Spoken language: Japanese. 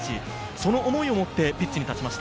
その思いを持ってピッチに立ちました。